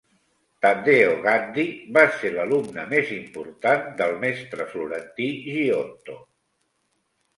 Taddeo Gaddi va ser l'alumne més important del mestre florentí Giotto.